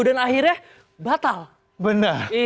dan akhirnya batal benar